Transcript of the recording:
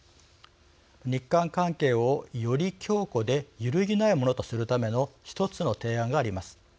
日韓関係をより強固で揺るぎないものとするための一つの提案があります。